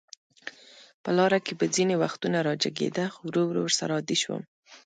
په لاره کې به ځینې وختونه راجګېده، خو ورو ورو ورسره عادي شوم.